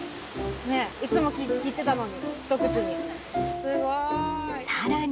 ねっ、いつも切ってたのに、一口に。